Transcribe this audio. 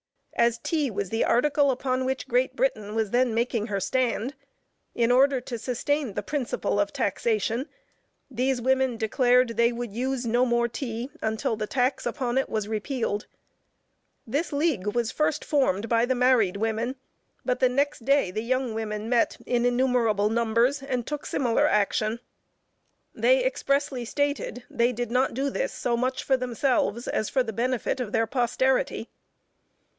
As tea was the article upon which Great Britain was then making her stand, in order to sustain the principle of taxation, these women declared they would use no more tea until the tax upon it was repealed. This league was first formed by the married women, but the next day the young women met "in innumerable numbers," and took similar action. They expressly stated, they did not do this so much for themselves, as for the benefit of their posterity.